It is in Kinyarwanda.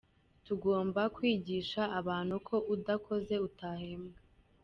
Tugomba kwigisha abantu ko udakoze utahembwa.